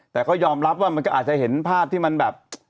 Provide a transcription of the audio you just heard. แต่ก็ยอมรับว่ามันก็อาจจะเห็นภาพที่มันแบบ